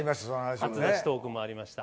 初出しトークもありました。